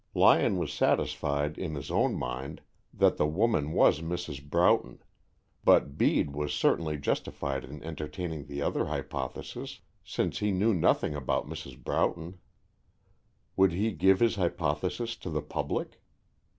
Lyon was satisfied in his own mind that the woman was Mrs. Broughton, but Bede was certainly justified in entertaining the other hypothesis, since he knew nothing about Mrs. Broughton. Would he give his hypothesis to the public?